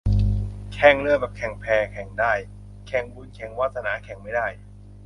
แข่งเรือแข่งแพแข่งได้ แข่งบุญแข่งวาสนาแข่งไม่ได้